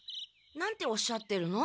何ておっしゃってるの？